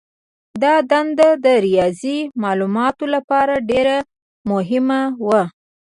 دا دنده د ریاضي مالوماتو لپاره ډېره مهمه وه.